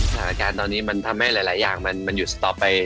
สถานการณ์ตอนนี้มันทำให้หลายอย่างมันหยุดต่อไป